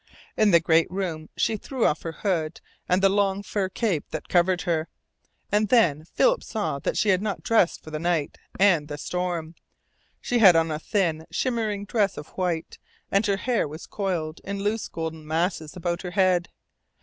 In the great room she threw off her hood and the long fur cape that covered her, and then Philip saw that she had not dressed for the night and the storm. She had on a thin, shimmering dress of white, and her hair was coiled in loose golden masses about her head.